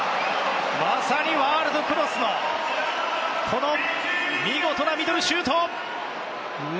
まさにワールドクラスのこの見事なミドルシュート！